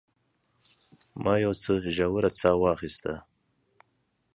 ما یو څه ژوره ساه واخیسته.